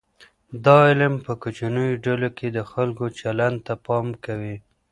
دا علم په کوچنیو ډلو کې د خلګو چلند ته پام کوي.